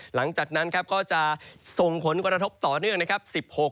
หลังจากนั้นก็จะส่งผลกระทบต่อเนื่อง